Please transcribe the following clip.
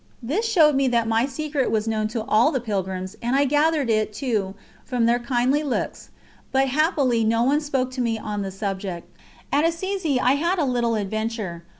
This showed me that my secret was known to all the pilgrims, and I gathered it, too, from their kindly looks; but happily no one spoke to me on the subject. At Assisi I had a little adventure.